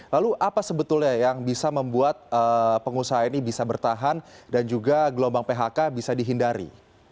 lalu apa sebetulnya yang bisa membuat pengusaha ini bisa bertahan dan juga gelombang phk bisa dihindari